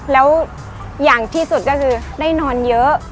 แล้วอย่างที่สุดก็คือได้นอนเยอะ